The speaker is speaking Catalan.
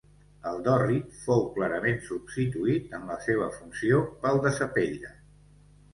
El d'Orrit fou clarament substituït en la seva funció pel de Sapeira.